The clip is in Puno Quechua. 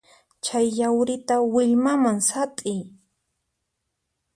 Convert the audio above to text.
Chay yawrita willmaman sat'iy.